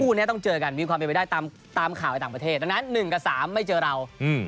คู่นี้ต้องเจอกันมีความเป็นไปได้ตามข่าวในต่างประเทศดังนั้น๑กับ๓ไม่เจอเรา